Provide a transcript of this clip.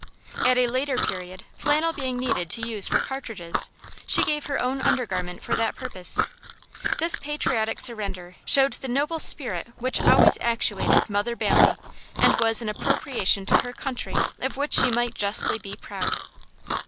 At a later period flannel being needed to use for cartridges, she gave her own undergarment for that purpose. This patriotic surrender showed the noble spirit which always actuated "Mother Bailey" and was an appropriation to her country of which she might justly be proud.